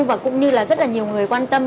và cũng như là rất là nhiều người quan tâm